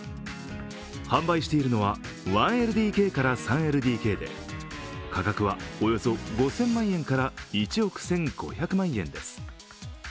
販売しているのは１ＬＤＫから３ＬＤＫで価格はおよそ５０００万円から１億１５００万円です。